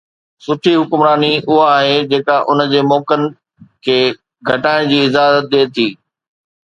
سٺي حڪمراني اها آهي جيڪا ان جي موقعن کي گهٽائڻ جي اجازت ڏئي ٿي.